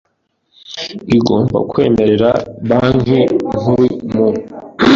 igomba kwemerera Banki Nkuru mu